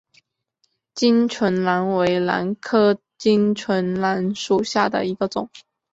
巾唇兰为兰科巾唇兰属下的一个种。